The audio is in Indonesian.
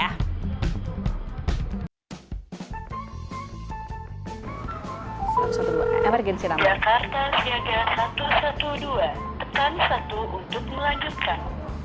emergensi jakarta siaga satu ratus dua belas pekan satu untuk melanjutkan